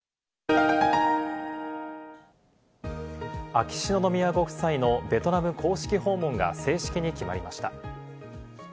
秋篠宮ご夫妻のベトナム公式訪問が正式に決まりました。